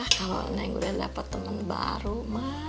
kalau neng gue dapet temen baru ma